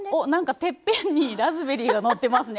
てっぺんにラズベリーがのってますね。